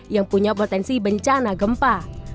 yang punya potensi bencana gempa